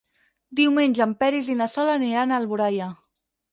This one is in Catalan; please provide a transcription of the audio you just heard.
Diumenge en Peris i na Sol aniran a Alboraia.